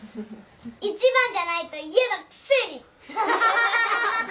１番じゃないと嫌なくせに！